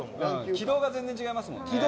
軌道が全然違いますもんね。